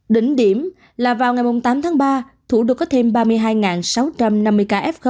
đỉnh điểm là vào ngày tám tháng ba thủ đô có thêm ba mươi hai sáu trăm năm mươi ca f